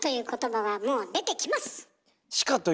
はい。